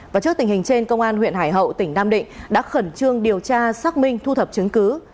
và trước tình hình trên công an huyện hải hậu tỉnh nam định đã khẩn trương điều tra xác minh thu thập chứng cứ